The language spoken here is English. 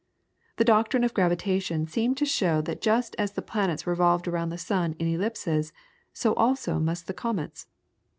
The doctrine of Gravitation seemed to show that just as the planets revolved around the sun in ellipses, so also must the comets.